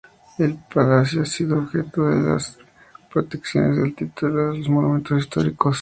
El palacio ha sido objeto de varias protecciones al título de los monumentos históricos.